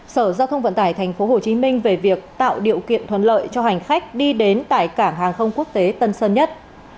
sở giao thông vận tải tp hcm về việc tạo điều kiện thuận lợi cho hành khách đi đến tại cảng hàng không quốc tế tân sơn nhất